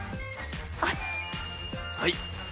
はい。